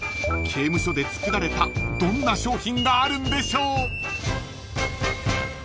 ［刑務所で作られたどんな商品があるんでしょう］